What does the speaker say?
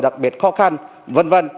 đặc biệt khó khăn v v